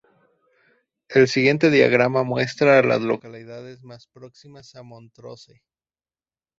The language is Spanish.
El siguiente diagrama muestra a las localidades más próximas a Montrose.